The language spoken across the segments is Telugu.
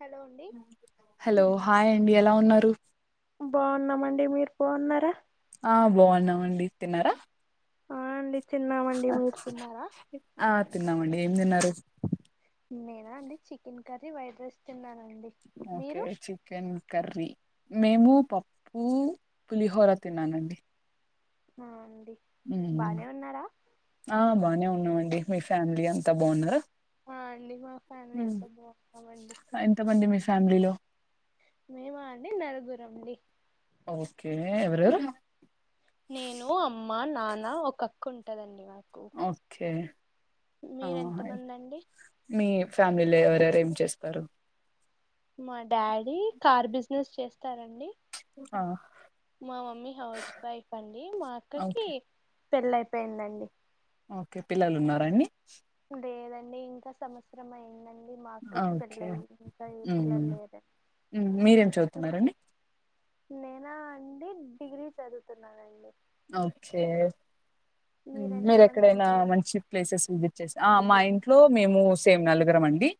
హలో అండి హలో హాయ్ అండి ఎలా ఉన్నారు బాగున్నామండి మీరు బాగున్నారా ఆ బాగున్న మండి తిన్నారా అవునండి తినంమా ఆ తిన్నామండి ఏం తినరు నేనా అండి చికెన్ కర్రీ వైట్ రైస్ తిన్నానండి ఓకే మీరు చి కెన్ కర్రీ మేము పప్పు పులిహోర తిన్నానండి ఆ అండి ఉమ్ బానే ఉన్నారా ఆ బానే ఉన్నావండి మీ ఫ్యామిలీ అంతా బాగున్నారా ఆ అండి మా ఫ్యామిలీ మ్మ్. అంత బాగున్నామండి ఎంతమంది మీ ఫ్యామిలీలో మేమా అండి నలుగురండి ఓకే ఎవరవరు నేను అమ్మ నాన్న ఒక అక్క ఉంటదండి మాకు ఓకే మంది అండి మీ ఫ్యామిలీలో ఎవరేవరు ఏం చేస్తారు మా డాడీ కార్ బిజినెస్ చేస్తారండి ఆ మా మమ్మీ హౌస్ వైఫ్ అండి మా అక్కకి ఓకే పెళ్ళయిపోయిందండి ఓకే పిల్లలు ఉన్నారాండీ లేదండి ఇంకా సంవత్సరం అయిందండి మా ఆ అక్కకి ఓకే పెళ్ళయి ఇంకా ఏ ఉమ్ పిల్లలు లేరండి మీరేం చదుతున్నారండి నేనా అండి డిగ్రీ చదువుతున్నానండి ఓకే మీరెంతమంది మీరెక్కడైనా అండి మంచి ప్లేసెస్ విజిట్ చేసి మా ఇంట్లో మేము సేమ్ నలుగురం అండి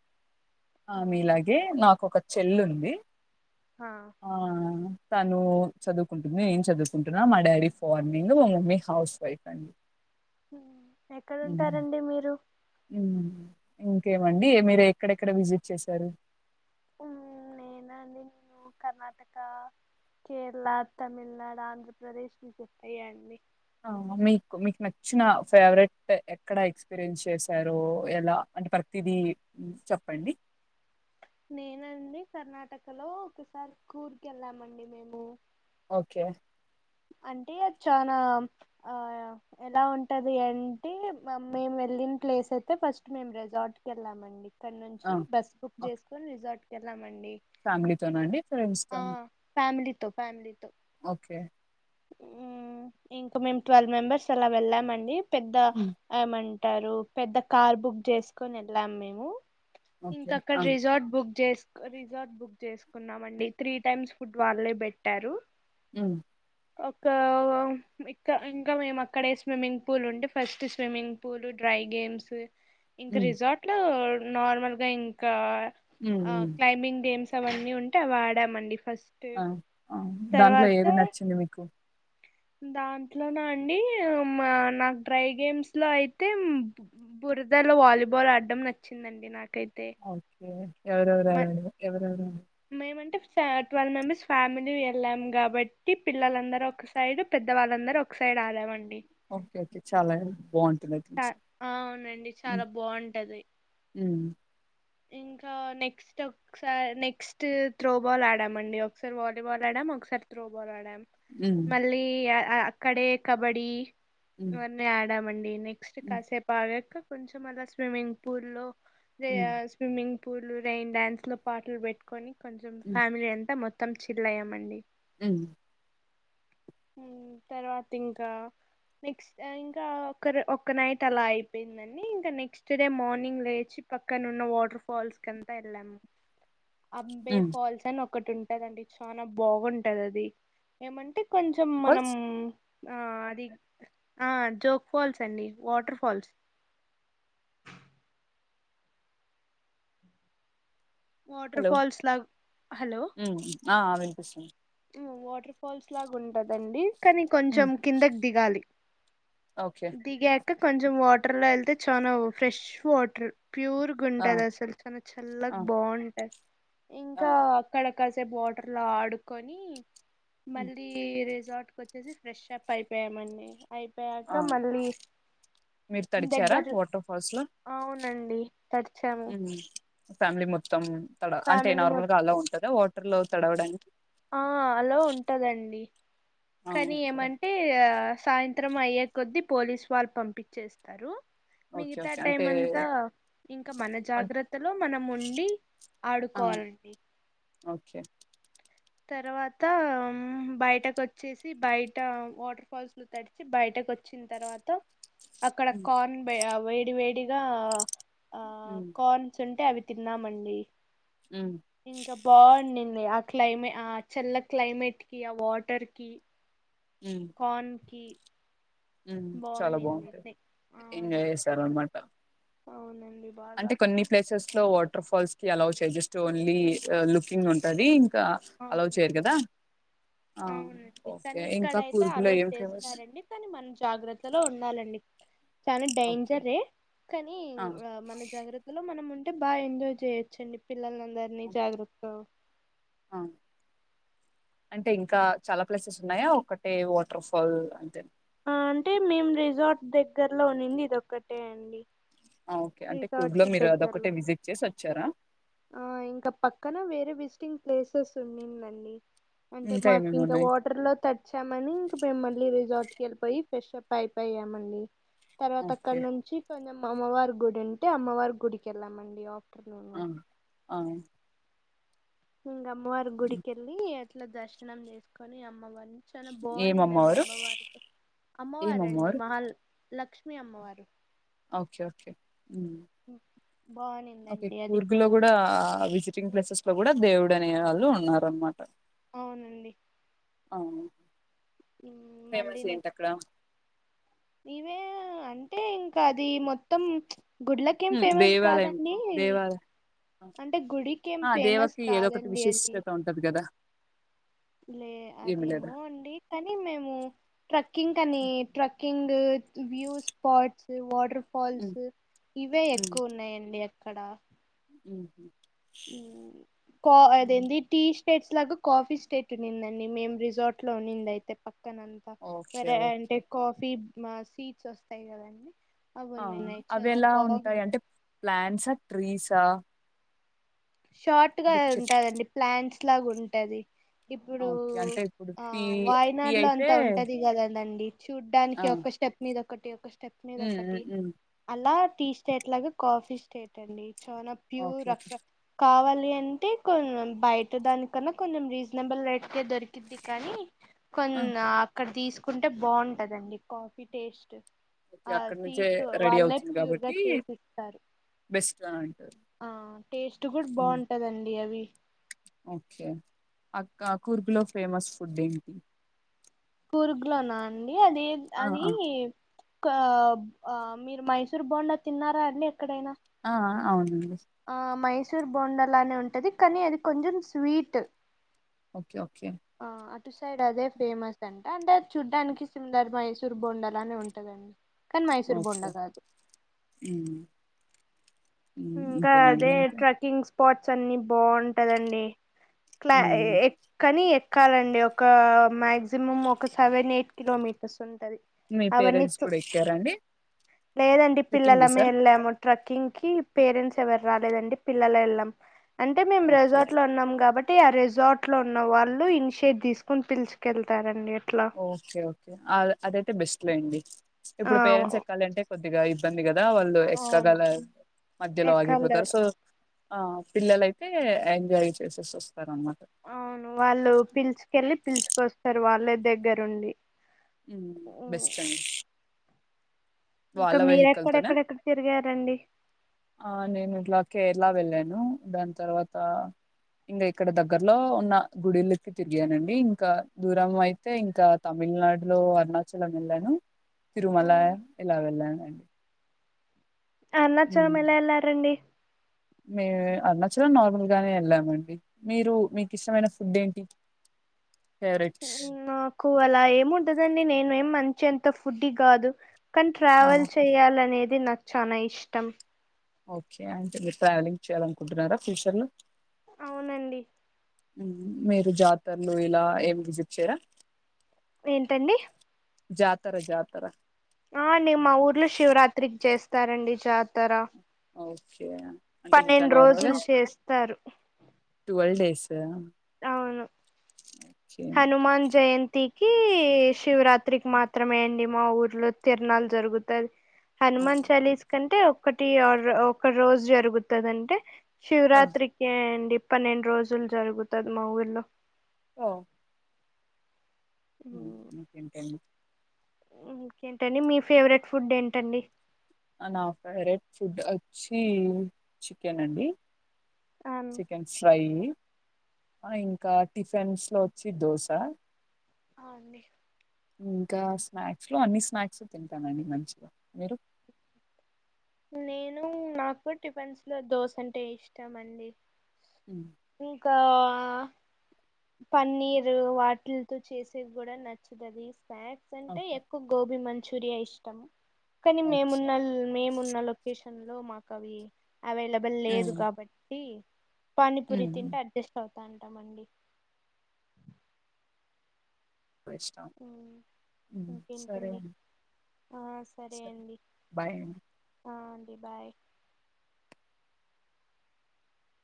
ఆ మీలాగే నాకు ఒక చెల్లుంది ఆ ఆ తను చదువుకుంటుంది నేను చదువుకుంటున్నా మా డాడీ ఫార్నింగ్ మా మమ్మీ హౌస్ వైఫ్ అండి ఉమ్ ఉమ్. ఎక్కడుంటారండీ మీరు ఉమ్ ఇంకేమండి మీరు ఎక్కడెక్కడ విజిట్ చేశారు మేము కర్ణాటక కేరళ తమిళనాడు ఆంధ్రప్రదేశ్ ట్రిప్య్ అండి మీకు మీకు నచ్చిన ఫేవరెట్ ఎక్కడ ఎక్స్ ఎక్స్పీరియన్స్ చేశారో ఎలా అంటే ప్రతిదీ చెప్పండి నేనండి కర్ణాటకలో ఒకసారి కూర్గ్ కి వెళ్ళామండి మేము. ఓకే. అంటే అది చనా ఆ. ఎలా ఉంటది అంటే మేము వెళ్ళిన ప్లేస్ అయితే ఫస్ట్ మేము రిజార్ట్ క వెళ్ళామండి. అక్కడ నుంచి బస్సు బుక్ చేసుకుని రిజార్ట్కి వెళ్ళామండి. ఫ్యామిలీతోన అండి ఫ్రెండ్స్ ఆ తోన. ఫ్యామిలీతో ఫ్యామిలీతో. ఓకే. ఉమ్ ఇంకా మేము ట్వెల్వ్ మెంబెర్స్ అలా వెళ్ళామండి. పెద్ద ఉమ్, ఏమంటారు పెద్ద కార్ బుక్ చేసుకుని వెళ్ళాం మేము. ఇంక ఓకే అక్కడ ఆ, రిజార్ట్ బుక్ చేస్. రిజార్ట్ బుక్ చేసుకున్నామండి త్రీ టైమ్స్ ఫుడ్ వాళ్ళే పెట్టారు. ఉమ్. ఒక ఇంకా ఇంకా మేము అక్కడ స్విమ్మింగ్ పూల్ ఉంటే first swimming. Pole dry games. ఇంకా హ్మ్ రిజార్ట్ లో నార్మల్ గా ఇంకా హ్మ్ హ్మ్ క్లైమ్బింగ్ గేమ్స్ అవన్నీ ఉ. ఉంటే వాడామండి ఫస్ట్ ఆ ఆ! దాంట్లో తర్వాత. ఏది నచ్చింది మీకు. దాంట్లోన అండి మా నాకు డ్రై గేమ్స్ లో అయితే. బురదాలో వాలీబాల్ ఆడడం నచ్చిందండి నాకైతే. ఓకే ఎవరెవరవరు ఎవరెవరు. మేము అంటే ట్వెల్వ్ మెంబెర్స్ ఫ్యామిలీ వెళ్ళాం కాబట్టి పిల్లలందరూ ఒక సైడ్ పెద్దవాళ్ళందరూ ఓ. ఒక సైడ్ ఆడ మండి. ఓకే ఓకే చాలా బాగుంటంది. అవునండి చాలా బాగుంటది. హ్మ్. ఇంకా నెక్స్ట్. ఒకసారి నెక్స్ట్ త్రోబాల్ ఆడామ అండి ఒకసారి వాలీబాల్ ఆడాం ఒకసారి త్రోబాల్ ఆడాం. హ్మ్. మళ్ళీ అక్కడే కబడ్డీ హ్మ్. ఇవన్నీ ఆడామండి నెక్. నెక్స్ట్ హ్మ్. కాసేపు ఆగాక కొంచెం అలా స్విమ్మింగ్ పూల్ లో దే. హ్మ్. స్విమ్మింగ్ పూల్లు రైన్ డ్యాన్స్ లో పాటలు పెట్టుకొని కొంచెం హ్మ్. ఫ్యామిలీ అంతా మొత్తం. మొత్తం చిల్యమండి. ఉమ్. తర్వాత ఇంకా నెక్స్ట్ ఇంకా ఒకరు ఒక నైట్ అలా అయిపోయింది. అని ఇంకా నెక్స్ట్ డే మార్నింగ్ లేచి పక్కన ఉన్న వాటర్ ఫాల్స్ కి అంతా వెళ్ళాం‌. అంబే హ్మ్. ఫాల్స్ అని ఒకటి ఉంటందండి చాలా బాగుంటది అది ఏమంటే‌. కొంచెం మనం. వాట్స్ ఆ అది ఆ జోక్ ఫాల్స్ అండి waterfalls. Water hello falls లాగా హలో మ్ ఆ వినిపిస్తుంది. వాటర్ ఫాల్స్ లాగా ఉంటదండి. కానీ హ్మ్. కొంచెం కిందకి దిగాలి ఓకే. దిగాక. కొంచెం వాటర్ ల వెళ్తే చనా ఫ్రెష్ వాటర్ ప్యూర్. ఆ! ఉంటది అసలు చన ఆ! చల్లగా బాగుంటది. ఆ! ఇంకా అక్కడ కాసేపు వాటర్లో ఆడుకొని. హ్మ్. మళ్ళీ రిసార్ట్ కు వచ్చేసి ఫ్రెష్ అప్ అయిపోయామండి అయిపోయాక ఆ! మళ్ళీ మీరు తడిచారా దగ్గర వాటర్ ఫాల్స్ లో అవునండి తడిచాము ఉమ్ ఫ్యామిలీ మొత్తం తడ అంటే ఫ్యామిలీ మొ నార్మల్గా అలో ఉంటదా వాటర్ లో తడవడానికి ఆ అలో ఉంటదండి ఆ! కానీ ఓకే. ఏమంటే ఆ సాయంత్రం అయ్యే కొద్దీ పోలీసు వాళ్ళు పంపిచ్చేస్తారు ఓకే. మిగతా ఓకే. టైం అంటే అంతా ఇంక మన వన్ జాగ్రత్తలో మనం ఉండి ఆ! ఆడుకోవాలండి ఓకే తర్వాత బయటకొచ్చేసి బయట వాటర్ ఫాల్స్ లో తడి సి బయటకు వచ్చిన తర్వాత అక్కడ హ్మ్ కార్న్ బే వేడి వేడిగా ఆ హ్మ్ కార్న్స్ ఉంటే అవి తిన్నమండి ఊమ్ ఇంకా బావున్నింది ఆ క్లైమే ఆ చల్ల క్లైమేట్ కి ఆ వాటర్ కి ఉమ్ కాన్ కి ఉమ్ చాలా బాగుండింది బావుంటాయి అవును ఎంజాయ్ చేసారు అనమాట అవునండి బాగా అంటే కొన్ని ప్లేసెస్ లో వాటర్ ఫాల్స్ కి అలౌ చెయ్యిస్టూ ఓన్లీ లుకింగ్ ఉంటాది ఇంకా అలౌ చెయ్యరు అవునండి కదా ఆ అవునండి ఓకే కానీ ఇంకా ఇక్కడయితే కూర్గు లో అలో ఏమి ఫేమస్ చేస్తారండి కానీ మనం జాగ్రత్తలో ఉండాలండి చానా ఓకే. డేంజరే కానీ ఆ మన జాగ్ర త్తలో మనం ఉంటే బాగా ఎంజాయ్ చేయొచ్చండి పిల్లల్నందరినీ జాగ్రత్త అవును అంటే ఇంకా చాలా ప్లేసెస్ ఉన్నాయా ఒకటే వాటర్ ఫల్ అంతే ఆ‌ అంటే మేం రిజార్ట్ దగ్గరలో ఉనింది ఇది ఒక్కటే అండి ఓకే అంటే రిసార్ట్ కూర్గ్ లో కి మీరు అది ఒక్కటే దగ్గరలో విసిట్ చేసి వచ్చారా ఆ ఇంకా పక్కన వేరే విసిటింగ్ ప్లేసెస్ ఉన్నిందండి అంటే మాకు ఏమేమి ఇంకా ఉన్నాయి? వాటర్ లో త చ్చామని ఇంక మేము మళ్ళీ రిజార్ట్ కెళ్ళిపోయి ఫ్రెష్షప్ అయిపోయామండి తర్వాత అక్కడ ఓకే. నుంచి కొంచెం అమ్మవారి గుడి ఉంటే అమ్మవారి గుడికి ఎళ్ళామండి ఆ టుర్ లో అవును ఇంక అమ్మవారి హ్మ్. గుడికెళ్ళి అట్లా దర్శనం చేసుకొని అమ్మవారిని చానా ఏం బావునిందండి అమ్మవారు? అమ్మవారితో ఏం అమ్మవారండి అమ్మవారు? మహల్ లక్ష్మీ అమ్మవారు ఓకే ఓకే ఉమ్ ఓకే బావునిందండి అది కూర్గు లో కూడా విసిటింగ్ ప్లేసెస్ ట్లో కూడా దేవుడనే వాళ్ళు ఉన్నారనమాట అవునండి అవును మ్మ్, మళ్ళీ ఫేమస్ ఏంటి నెక్స్ట్ అక్కడ ఇవే అంటే ఇంక అది మొత్తం గుడ్లకి ఏం హ్మ్, ఫేమస్ కాదండి దేవాలయంకి దేవాలయం అంటే గుడికేం ఫేమస్ కాదండి అది టదు గదా లే అదేమో అండి కానీ మేము ట్రెక్కింక్ అనీ trekking view spots, water hmm, falls ఇవే ఎక్కువ ఉన్నాయండి అక్కడా. ఊహు ఊ కో అదేంది టీష్ స్టేట్స్ లాగా కాఫీ స్టెట్ ఉండిందండి మేం రిజార్ట్ లో ఉనింది అయితే పక్కనంత్ త ఓకే వేరె అంటే ఓకే కాఫీ సీడ్స్ వస్తాయి కదండి. అవి ఆ ఉన్నిన్నాయి అవి చాలా ఎలా ఉంటాయి బాగుంది అంటే ప్లాంట్సా, ట్రీసా షార్ట్ గా అంటే చెట్ ఉంటాదండి ప్లాంట్స్ లాగా ఉంటది. ఇప్పుడూ ఓకే అంటే ఇప్పుడు ఆ టీ టీ వాయినాడులో అయితే అంతా ఉంటది కదదండి ఆ చూడ్డానికి ఒక స్టెప్. మీద ఒక్కటి ఒక స్టెప్ మీదా ఉమ్, ఒక్కటి. ఉమ్, ఉమ్. అలా టీ స్టేట్లాగా కాఫీ స్టేటండి చానా ప్యూర్ ఓకే ఓకే రక కావాలి అంటే కొన్నం బయట దానికన్నా కొంచెం రీజనబుల్ రేట్కే దొరికిద్. ద్ది కానీ కొన్న్ ఆ అక్కడ తీసుకుంటే బాగుంటందండి కాఫీ టేస్ట్. ఓకే ఆ అక్కడ నుంచే సీడ్సు రెడీ వాళ్ళే అవుతుంది ప్యూర్ గా కాబట్టి చేశిస్తారు. బెస్ట్ అని అంటారు. ఆ టేస్టు గూడ బాగుంటదండి అవి. ఓకే అక్కా కూర్గులో ఫేమస్ ఫుడ్ ఏంటి. కూర్గులోనా అండి అదేం ఆ అదీ ఆ కా ఆ మీరు మైసూర్ బోండా తిన్నారా అండి ఎక్కడైనా. ఆ ఆ అవునండి ఆ మైసూర్ బోండాలానే ఉంటది కానీ అది కొంచెం స్వీటు. ఓకే ఓకే ఆ అటు సైడ్ అదే ఫేమస్ అంటా అంటే అది చూడ్డానికి సిమిలర్ మైసూర్ బొండాలానే ఉంటదండి. కానీ మైసూర్ బొండా గాదు. ఊ ఇంకా అదే ట్రెక్కింగ్స్ స్పాట్స్ అన్నీ బాగుంటదండి క్లా మ్మ్ ఎట్ కానీ ఎక్కాలండి ఒకా మాక్సిమం ఒకా సెవెన్ ఎయిట్ కిలోమీటర్స్ ఉంటది. మీ అవన్నీ పేరెంట్స్ తు కూడా ఎక్కారండి లేదండి ట్రెక్కింగ్ పిల్లలమే చేసారు ఎళ్ళాము. ట్రక్కింగ్ కీ పేరెంట్స్ ఎవరు రాలేదండి పిల్లలే ఏళ్ళాం. అంటే మేం ఓకే రెజార్ట్ లో ఉన్నాం కాబట్ట్. టి ఆ రిజార్ట్ లో ఉన్న వాళ్ళు ఇనిషియేట్ తీసుకొన్ పిలుచుకెళ్తారండి. ఎట్లా ఓకే ఓకే అద్ అదైయితే బెస్ట్ లేండి ఆ ఇప్పుడు పేరెంట్స్ ఎక్కాలి అంటే. కొద్దిగా ఇబ్బందిగదా వాళ్ళు అవును ఎక్కగలర్ మధ్యలో ఆగిపోతరు ఎక్కలేరు సో. ఆ పిల్లలైతే ఎంజాయ్ చేశేశీ వస్తార్ అనమాట. అవును వాళ్ళు పిలుచుకెళ్ళి పిలుచుకొస్తారు వాళ్ళే దగ్గరుండి. హ్మ్ బెస్ట్ అండి ఇంకా వాళ్ళ వెహికల్ తోనే మీరెక్కడెక్కడెక్కడ తిరిగారండి. ఆ నేను ఇట్లా కేరళా వెళ్ళాను దాని తర్వాతా. ఇంగా ఇక్కడ దగ్గరలో ఉన్నా గుడిలికి తిరిగానండి ఇంకా దూరం అయి తే ఇంకా తమిళనాడులో అరుణాచలం వెళ్ళానూ. తిరుమలా ఇలా వెళ్ళాను అండి. అరుణాచలం ఎలా ఎళ్ళారండి మే అరుణాచలం నార్మల్ గానే ఎళ్ళామండి. మీరు మీకు ఇష్టమైన ఫుడ్ ఏంటి. ఫేవరెట్స్ట్ నాకు అలా ఏమి ఉంటదండి నేను ఏమి మంచి ఎంత ఫుడ్డి కాదు కానీ ఆ ట్రావెల్ ఓకే చేయాల అనేది నాకు చాల ఇష్టం ఓకే అంటే మీరు ట్రావెలింగ్ చేయాలనుకుంటున్నారా ఫ్యూచర్ లో అవునండి మీరు జాతరలు ఇలా ఏమి విజిట్ చేయరా ఏంటండి జాతర జాతర ఆ అండి మా ఊర్లో శివరాత్రికి చేస్తారండి జాతర ఓకే అంటే ఇంకా పన్నెం రోజులు చేస్తారు ట్వల్ డేస అవును హనుమాన్ జయంతి తికి శివరాత్రికి మాత్రమే అండి మా ఊర్లో తిరనాలు జరుగుతాయి హనుమాన్ చాలీస్ కంటే ఒక్కటి ఆర్ ఒక రోజు జరుగుతదంటే ఓ శివరాత్రికి అండి పన్నెండు రోజులు జరుగుతది మా ఊర్లో ఓ ఊ ఇంకేంటండి ఇంకేంటండి మీ ఫేవరెట్ ఫుడ్ ఏంటండి ఆ నా ఫేవరెట్ ఫుడ్ వచ్చి చికెన్ అండి అన్ చికెన్ ఫ్రై ఆ ఇంకా టిఫిన్స్ లో వచ్చి దోశ ఆ అండీ ఇంకా స్నాక్స్ లో అన్ని స్నాక్స్ తింటానండి మంచిగా మీరు నేను నాకు టిఫెన్స్ లో దోస అంటే ఇష్టం అండి ఊ ఇంకా పన్నీర్ వాటిలతో చేసేవి కూడా నచ్చతది స్నాక్ స్ అంటే ఓకే ఎక్కువ గోబీ మంచూరియా ఇష్టం కానీ ఓకే మేమున్నల్ మేమున్న లొకేషన్ లో మాకు అవి అవైలబుల్ లేదు హ్మ్ కాబట్టి పానీపూరి తింట హ్మ్ అడ్జస్ట్ అవుతా ఉంటామ అండి వెస్ట్ ఆ ఊ సరే ఇంకేంటండి అండి ఆ సరే సర అండి బాయ్ అండీ ఆ అండి బాయ్